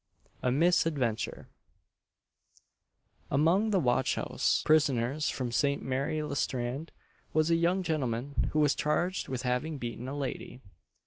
A MISS ADVENTURE. Among the watch house prisoners from St. Mary le Strand, was a young gentleman, who was charged with having beaten a lady.